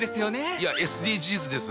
いやＳＤＧｓです。